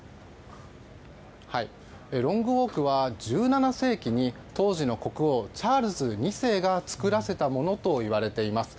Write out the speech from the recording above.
ロングウォークは１７世紀に当時の国王チャールズ２世が作らせたものといわれています。